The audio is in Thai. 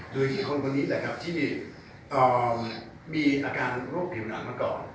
โดยหญิงคนคนนี้แหละครับที่มีอาการโรคผิวหนังมาก่อน